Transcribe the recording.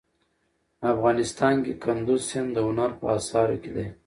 افغانستان کې کندز سیند د هنر په اثار کې دی.